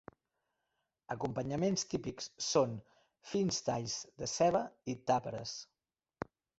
Acompanyaments típics són fins talls de ceba i tàperes.